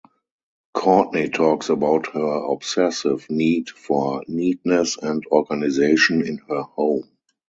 Kourtney talks about her obsessive need for neatness and organization in her home.